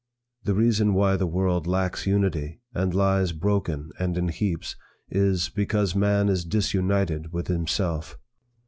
The reason why the world lacks unity, and lies broken and in heaps, is, because man is disunited with himself.